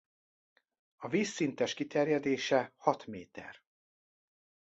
A vízszintes kiterjedése hat méter.